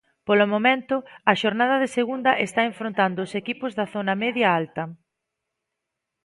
Polo momento, a xornada de segunda está enfrontando os equipos da zona media alta.